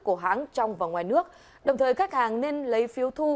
của hãng trong và ngoài nước đồng thời khách hàng nên lấy phiếu thu